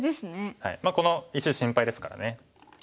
この石心配ですからね。